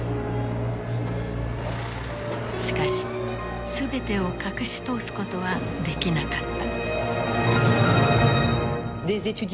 しかし全てを隠し通すことはできなかった。